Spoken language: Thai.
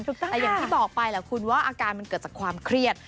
แต่อย่างที่บอกไปแหละคุณว่าอาการมันเกิดจากความเครียด